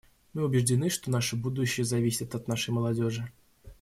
Мы убеждены, что наше будущее зависит от нашей молодежи.